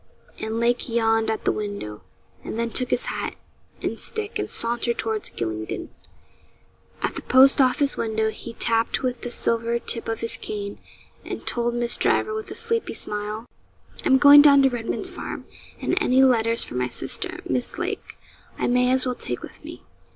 And Lake yawned at the window, and then took his hat and stick and sauntered toward Gylingden. At the post office window he tapped with the silver tip of his cane, and told Miss Driver with a sleepy smile 'I'm going down to Redman's Farm, and any letters for my sister, Miss Lake, I may as well take with me.'